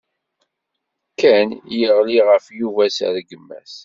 Ken yeɣli ɣef Yuba s rregmat.